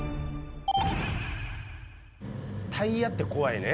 タイヤって怖いね。